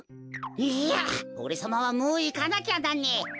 いやおれさまはもういかなきゃなんねえ。